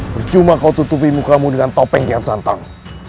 bercuma kau tutupi mukamu dengan topeng kian santong